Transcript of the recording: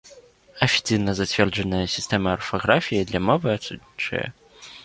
Афіцыйна зацверджаная сістэма арфаграфіі для мовы адсутнічае.